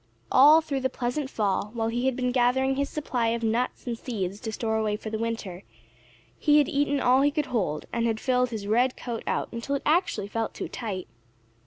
All through the pleasant fall, while he had been gathering his supply of nuts and seeds to store away for the winter, he had eaten all he could hold and had filled his red coat out until it actually felt too tight.